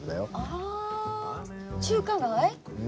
あ中華街？